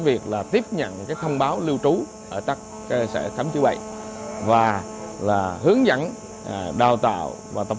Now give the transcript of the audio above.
việc là tiếp nhận thông báo lưu trú ở các cơ sở khám chữa bệnh và hướng dẫn đào tạo và tập